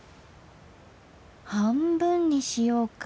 半分にしようか。